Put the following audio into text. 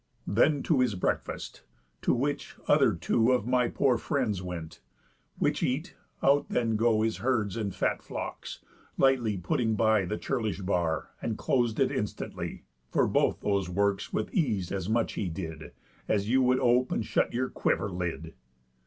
Then to his breakfast, to which other two Of my poor friends went; which eat, out then go His herds and fat flocks, lightly putting by The churlish bar, and clos'd it instantly; For both those works with ease as much he did, As you would ope and shut your quiver lid.